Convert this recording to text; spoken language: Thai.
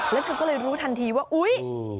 แล้วเธอก็เลยรู้ทันทีว่าอุ๊ย